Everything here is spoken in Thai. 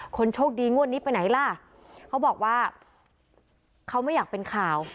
คนโชคดีงวดนี้ไปไหนล่ะเขาบอกว่าเขาไม่อยากเป็นข่าว